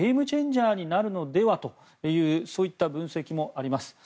ジャーになるのではというそういった分析もあります。